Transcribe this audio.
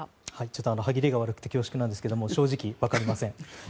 ちょっと歯切れが悪くて恐縮なんですが正直わかりません。